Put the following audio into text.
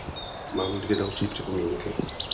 Mám dvě další připomínky.